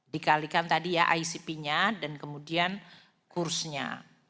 dikalikan tadi ya icp nya dan kemudian kursnya